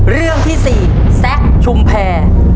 เรื่องที่สี่แซ็กชุมแพร่